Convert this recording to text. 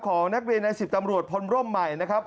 ของนักเรียนใน๑๐ตำรวจพลร่มใหม่นะครับ